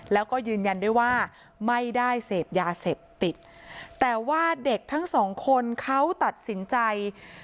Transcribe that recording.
แล้วก็ยืนยันด้วยว่าไม่ได้เสพยาเสพติดแต่ว่าเด็กทั้งสองคนเขาตัดสินใจ